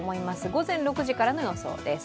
午前６時からの予想です。